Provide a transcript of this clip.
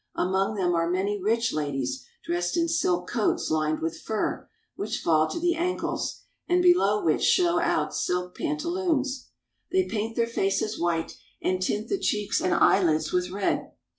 Among them are many rich ladies dressed in silk coats lined with fur, which fall to the ankles, and below which show out silk pantaloons. They paint their faces white, and tint the cheeks and eye lids with red.